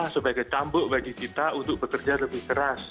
sebagai cambuk bagi kita untuk bekerja lebih keras